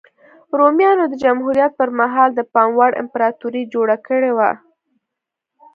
رومیانو د جمهوریت پرمهال د پام وړ امپراتوري جوړه کړې وه